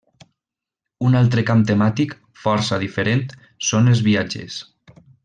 Un altre camp temàtic, força diferent, són els viatges.